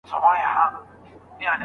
دلته د امن دوړي دي .